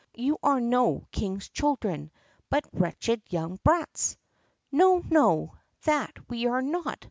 You are no king's children, but wretched young brats." "No, no, that we are not!"